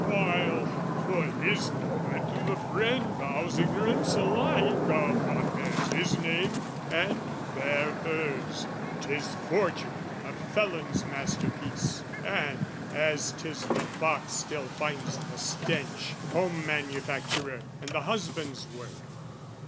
"While for his part the friend vows ignorance "Alike of what bears his name and bear hers: "'Tis forgery, a felon's masterpiece, "And, as 'tis the fox still finds the stench, "Home manufacturer and the husband's work.